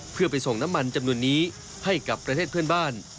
เพื่อไปส่งน้ำมันจำนวนนี้ให้กับประเทศเพื่อนบ้าน